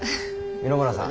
三野村さん。